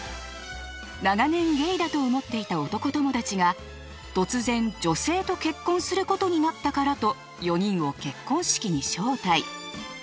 長年ゲイだと思っていた男友達が突然女性と結婚することになったからと４人を結婚式に招待。